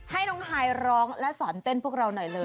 ให้น้องฮายร้องและสอนเต้นพวกเราหน่อยเลย